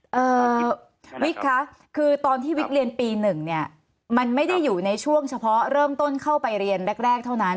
วิกคะคือตอนที่วิกเรียนปีหนึ่งเนี่ยมันไม่ได้อยู่ในช่วงเฉพาะเริ่มต้นเข้าไปเรียนแรกแรกเท่านั้น